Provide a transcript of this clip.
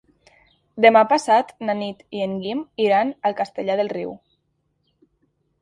Demà passat na Nit i en Guim iran a Castellar del Riu.